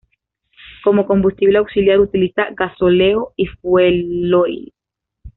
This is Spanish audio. Como combustible auxiliar utiliza gasóleo y fueloil.